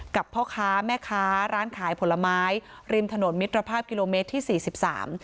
พ่อค้าแม่ค้าร้านขายผลไม้ริมถนนมิตรภาพกิโลเมตรที่สี่สิบสาม